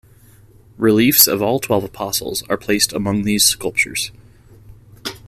Reliefs of all twelve apostles are placed among these sculptures.